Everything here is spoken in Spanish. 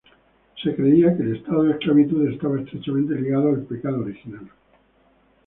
Se creía que el estado de esclavitud estaba estrechamente ligado al pecado original.